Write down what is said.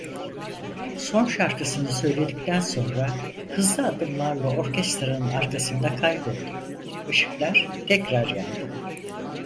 Son şarkısını söyledikten sonra hızlı adımlarla orkestranın arkasında kayboldu, ışıklar tekrar yandı.